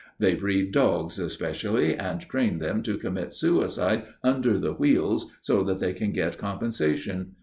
They breed dogs especially and train them to commit suicide under the wheels so that they can get compensation.